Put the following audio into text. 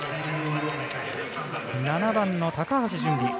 ７番の高橋が準備。